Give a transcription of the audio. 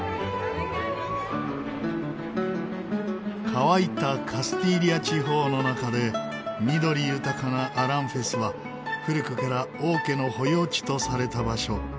乾いたカスティーリャ地方の中で緑豊かなアランフェスは古くから王家の保養地とされた場所。